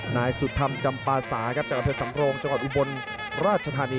นายสุธรรมจำปาสาครับจากอำเภอสำโรงจังหวัดอุบลราชธานี